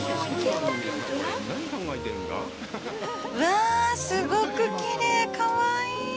わあ、すごくきれい、かわいい。